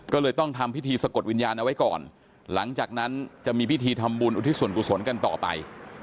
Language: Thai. ก็เลยต้องทำพิธีสะกดวิญญาณเอาไว้ก่อนหลังจากนั้นจะมีพิธีทำบุญอุทิศส่วนกุศลกันต่อไป